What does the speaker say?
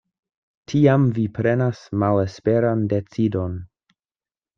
Tiam vi prenas malesperan decidon.